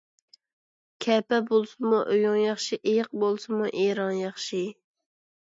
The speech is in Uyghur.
كەپە بولسىمۇ ئۆيۈڭ ياخشى، ئېيىق بولسىمۇ ئېرىڭ ياخشى.